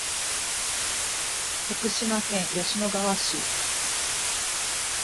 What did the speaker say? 徳島県吉野川市